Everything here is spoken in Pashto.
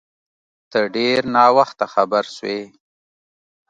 ته ډیر ناوخته خبر سوی